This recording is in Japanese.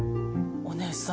お姉さん